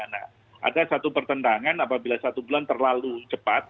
nah ada satu pertendangan apabila satu bulan terlalu cepat